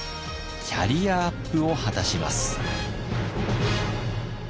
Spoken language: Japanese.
キャリアアップを果たします。